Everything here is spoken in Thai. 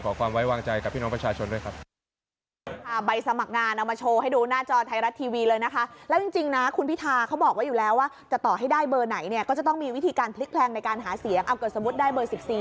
ความไว้วางใจกับพี่น้องประชาชนด้วยครับ